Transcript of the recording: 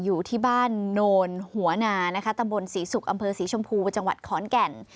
อยู่ที่บ้านโนนหัวนานะคะตำบลศรีศุกร์อำเภอศรีชมพูจังหวัดขอนแก่น